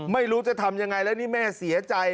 ไม่รู้จะทำยังไงแล้วนี่แม่เสียใจ